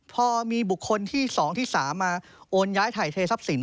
พอมีบุคคลที่สองที่สามมาโอนย้ายไถ่เทท์สับสิน